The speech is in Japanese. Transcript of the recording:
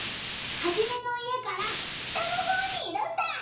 ハジメの家から北のほうにいるんだ！